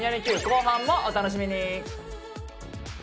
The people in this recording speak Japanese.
後半もお楽しみに。